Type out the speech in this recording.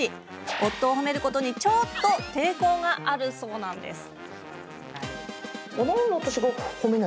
夫を褒めることにちょっと抵抗があるそうなんです。